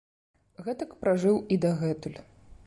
Гэтак пражыў і дагэтуль.